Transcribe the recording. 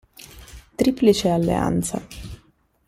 Triplice alleanza